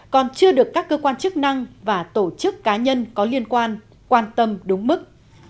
còn chưa được các cơ quan chức năng và tổ chức cá nhân có liên quan quan tâm đúng mức